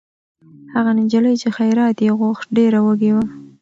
هغه نجلۍ چې خیرات یې غوښت، ډېره وږې وه.